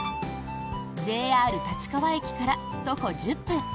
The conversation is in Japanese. ＪＲ立川駅から徒歩１０分。